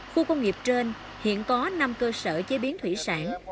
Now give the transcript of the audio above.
khu công nghiệp trên hiện có năm cơ sở chế biến thủy sản